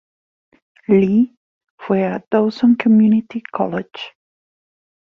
Lee fue a Dawson Community College.